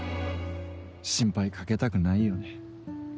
心配かけたくないよね。